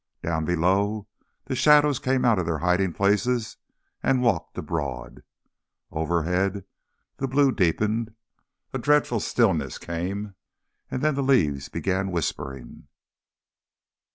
Down below the shadows came out of their hiding places and walked abroad. Overhead the blue deepened. A dreadful stillness came, and then the leaves began whispering.